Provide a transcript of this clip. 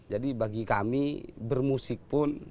jadi bagi kami bermusik pun